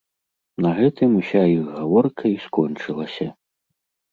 На гэтым уся іх гаворка і скончылася.